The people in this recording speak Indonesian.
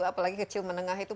apalagi kecil menengah itu